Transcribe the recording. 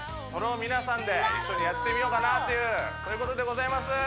それを皆さんで一緒にやってみようかなというそういうことでございます